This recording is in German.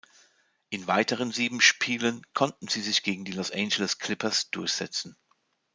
In weiteren sieben Spielen konnten sie sich gegen die Los Angeles Clippers durchsetzen.